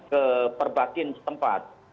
ke perbakin tempat